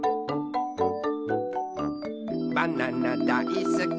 「バナナだいすき